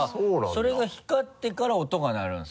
それが光ってから音が鳴るんですか？